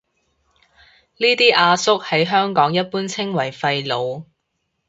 呢啲阿叔喺香港一般稱為廢老